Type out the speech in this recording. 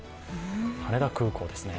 羽田空港ですね。